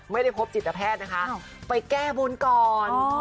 ไม่ได้พบจิตแพทย์นะคะไปแก้บนก่อน